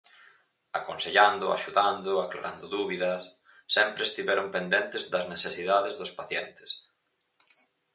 Aconsellando, axudando, aclarando dúbidas, sempre estiveron pendentes das necesidades dos pacientes.